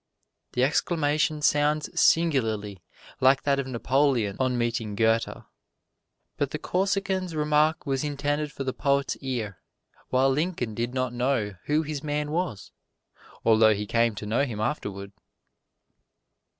The exclamation sounds singularly like that of Napoleon on meeting Goethe. But the Corsican's remark was intended for the poet's ear, while Lincoln did not know who his man was, although he came to know him afterward.